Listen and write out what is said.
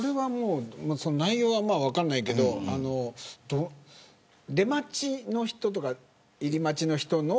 内容は分からないけど出待ちの人とか入り待ちの人の。